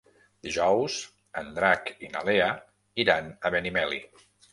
Dijous en Drac i na Lea iran a Benimeli.